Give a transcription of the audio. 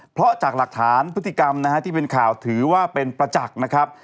เพราะจากหลักฐานพฤติกรรมนะฮะที่เป็นข่าวถือว่าเป็นประจักษ์นะครับ